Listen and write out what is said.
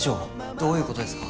どういうことですか？